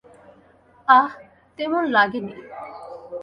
আহহ, তেমন লাগেনি।